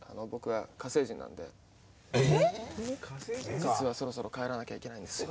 本日はそろそろ帰らなきゃいけないんですよ。